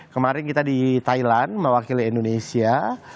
kemarin kita di thailand mewakili indonesia